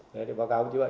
đấy để báo cáo như vậy